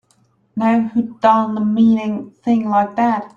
Now who'da done a mean thing like that?